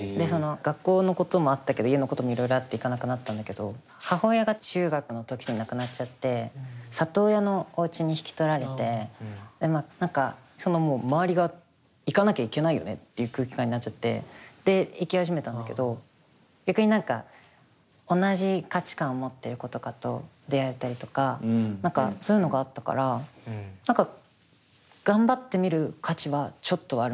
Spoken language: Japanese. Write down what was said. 学校のこともあったけど家のこともいろいろあって行かなくなったんだけど母親が中学の時に亡くなっちゃって里親のおうちに引き取られてでまあ何か周りが行かなきゃいけないよねっていう空気感になっちゃってで行き始めたんだけど逆に何か同じ価値観を持ってる子とかと出会えたりとか何かそういうのがあったから何か頑張ってみる価値はちょっとはあるのかもなっていうふうに思うかも。